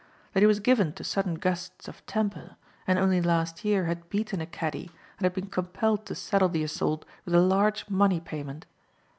That he was given to sudden gusts of temper and only last year had beaten a caddie and had been compelled to settle the assault with a large money payment.